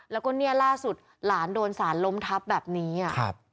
แล้วก็เนี่ยล่าสุดหลานโดนสารล้มทับแบบนี้อ่ะครับ